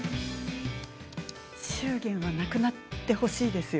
祝言はなくなってほしいですよ。